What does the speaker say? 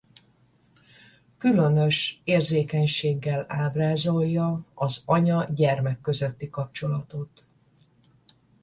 Különös érzékenységgel ábrázolja az anya-gyermek közötti kapcsolatot.